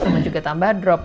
rumah juga tambah drop